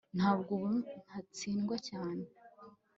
ntabwo ubu ntatsindwa cyane